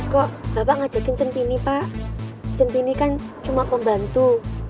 kok bapak ngajakin cintinny pak cintinny kan cuma pembantu